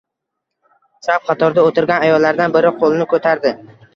Chap qatorda o`tirgan ayollardan biri qo`lini ko`tardi